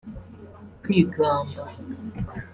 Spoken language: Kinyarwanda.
kwigamba